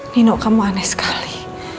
nino kamu aneh sekali